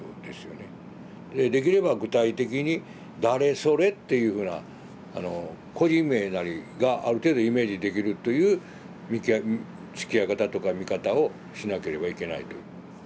でできれば具体的に「誰それ」っていうふうな個人名なりがある程度イメージできるというつきあい方とか見方をしなければいけないという。